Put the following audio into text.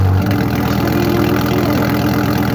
Нашто я яму верыла?